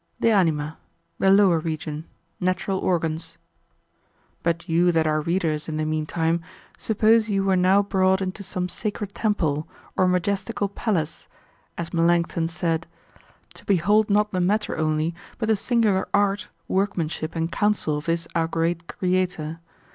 De Anima.—The Lower Region, Natural Organs.] But you that are readers in the meantime, Suppose you were now brought into some sacred temple, or majestical palace (as Melancthon saith), to behold not the matter only, but the singular art, workmanship, and counsel of this our great Creator.